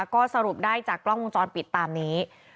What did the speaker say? ก็สรุปได้จากกล้องวงจรปิดตามนี้